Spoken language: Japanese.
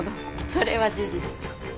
それは事実と。